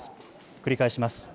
繰り返します。